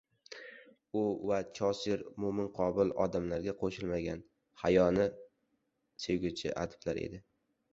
U va Choser “mo‘min-qobil” odamlarga qo‘shilmagan, hayotni sevguvchi adiblar edi.